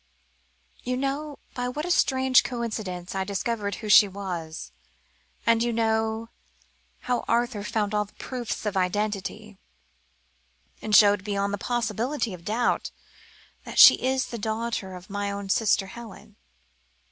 You know by what a strange coincidence I discovered who she was, and you know how Arthur found all the proofs of identity, and showed beyond the possibility of doubt, that she is the daughter of my own sister Helen?